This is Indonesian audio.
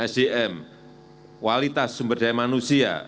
sdm kualitas sumber daya manusia